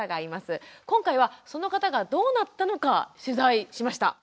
今回はその方がどうなったのか取材しました。